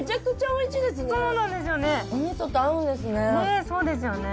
おみそと合うんですね。